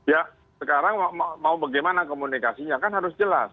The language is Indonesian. ya sekarang mau bagaimana komunikasinya kan harus jelas